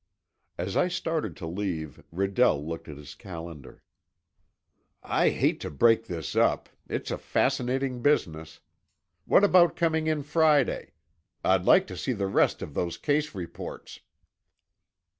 As I started to leave, Redell looked at his calendar. "I hate to break this up; it's a fascinating business What about coming in Friday? I'd like to see the rest of those case reports."